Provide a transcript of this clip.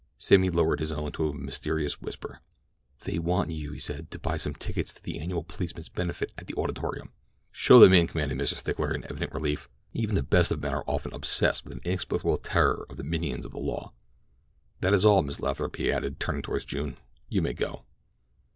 Sammy lowered his own to a mysterious whisper. "They want you," he said, "to buy some tickets to the annual policemen's benefit at the Auditorium." "Show them in," commanded Mr. Stickler in evident relief—even the best of men are often obsessed with an inexplicable terror of the minions of the law. "That is all, Miss Lathrop," he added, turning toward June. "You may go."